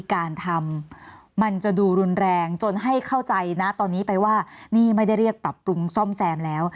การทำมันจะดูรุนแรงจนให้เข้าใจนะตอนนี้ไปว่านี่ไม่ได้เรียกปรับปรุงซ่อมแซมแล้ว